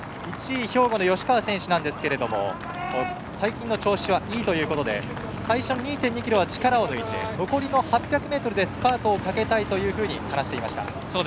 １位、兵庫の吉川選手ですが最近の調子はいいということで最初の２．２ｋｍは力を抜いて、残りの８００ｍでスパートをかけたいというふうに話していました。